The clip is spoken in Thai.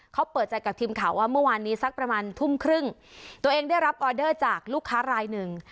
เขาเปิดใจกับทีมข่าวว่าเมื่อวานนี้สักประมาณทุ่มครึ่งตัวเองได้รับออเดอร์จากลูกค้ารายหนึ่ง